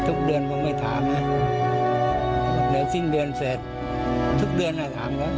ทุกเดือนผมไม่ถามนะเดี๋ยวสิ้นเดือนเสร็จทุกเดือนอ่ะถามเขา